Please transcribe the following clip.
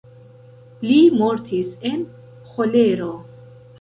Li mortis en ĥolero.